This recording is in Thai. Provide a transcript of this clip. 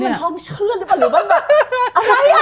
มันพร้อมเชื่อหรือเปล่าหรือมันแบบอะไรอ่ะ